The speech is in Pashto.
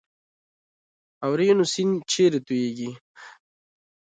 اورینوکو سیند چیرې تویږي؟